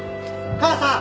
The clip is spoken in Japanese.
母さん？